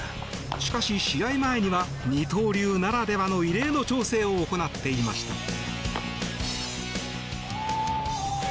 しかし、試合前には二刀流ならではの異例の調整を行っていました。